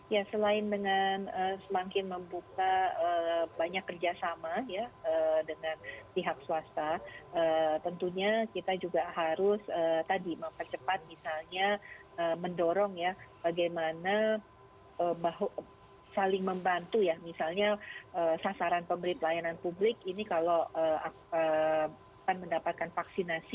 ya selain dengan semakin membuka banyak kerjasama ya dengan pihak swasta tentunya kita juga harus tadi mempercepat misalnya mendorong ya bagaimana saling membantu ya misalnya sasaran pemberi pelayanan publik ini kalau akan mendapatkan vaksinasi